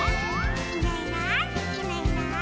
「いないいないいないいない」